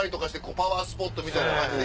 パワースポットみたいな感じで。